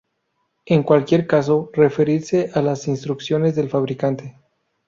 En cualquier caso, referirse a las instrucciones del fabricante.